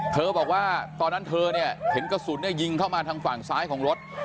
บอกว่าตอนนั้นเธอเนี่ยเห็นกระสุนยิงเข้ามาทางฝั่งซ้ายของรถ